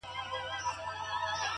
• د پنیر ټوټه ترې ولوېده له پاسه,